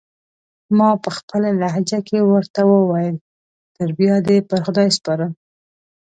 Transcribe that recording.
ما پخپله لهجه کې ورته وویل: تر بیا دې پر خدای سپارم.